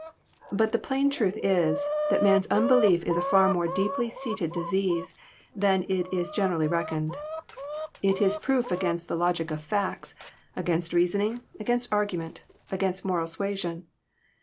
But the plain truth is, that man's unbelief is a far more deeply seated disease than it is generally reckoned. It is proof against the logic of facts, against reasoning, against argument, against moral suasion.